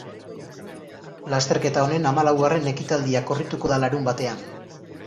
Lasterketa honen hamalaugarren ekitaldia korrituko da larunbatean.